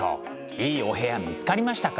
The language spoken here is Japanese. いいお部屋見つかりましたか？